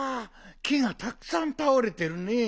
きがたくさんたおれてるねえ。